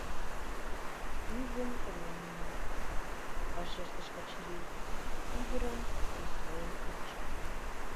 — Ӱжын улына, — вашештыш Качырий, ӱдырым тӱслен ончале.